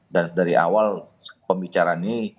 dari awal pembicaraan ini